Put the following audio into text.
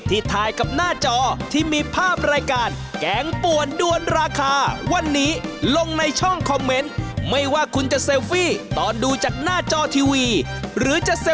ที่ทายกับหน้าจอที่มีภาพรายการ